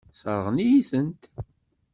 Sseṛɣen-iyi-tent.